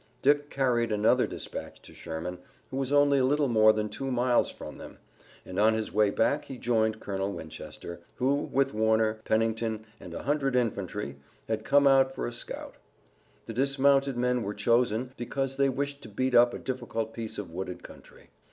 Dick carried another dispatch to Sherman, who was only a little more than two miles from them, and on his way back he joined Colonel Winchester, who, with Warner, Pennington and a hundred infantry, had come out for a scout. The dismounted men were chosen because they wished to beat up a difficult piece of wooded country.